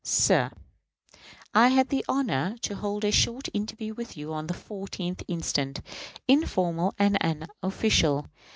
Sir: I had the honor to hold a short interview with you on the 14th inst., informal and unofficial.